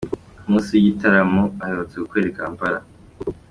Ku munsi w'igitaramo aherutse gukorera i Kampala.